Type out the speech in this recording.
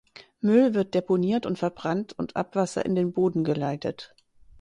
Müll wird deponiert und verbrannt und Abwasser in den Boden geleitet.